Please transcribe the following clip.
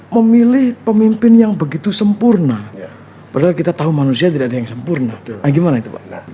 memilih pemimpin yang begitu sempurna padahal kita tahu manusia tidak ada yang sempurna gimana itu pak